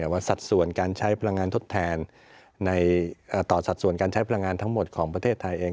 สัดส่วนการใช้พลังงานทดแทนต่อสัดส่วนการใช้พลังงานทั้งหมดของประเทศไทยเอง